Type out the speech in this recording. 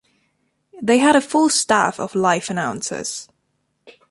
They had a full staff of live announcers.